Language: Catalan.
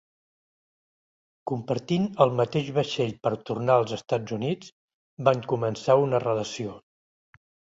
Compartint el mateix vaixell per tornar als Estats Units, van començar una relació.